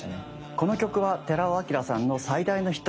この曲は寺尾聰さんの最大のヒット曲。